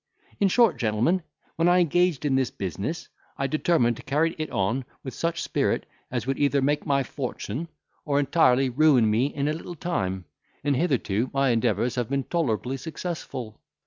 "In short, gentlemen, when I engaged in this business, I determined to carry it on with such spirit, as would either make my fortune, or entirely ruin me in a little time; and hitherto my endeavours have been tolerably successful.